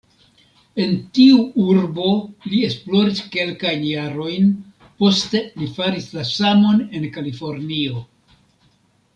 En tiu urbo li esploris kelkajn jarojn, poste li faris la samon en Kalifornio.